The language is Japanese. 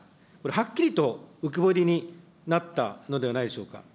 はっきりと浮き彫りになったものではないでしょうか。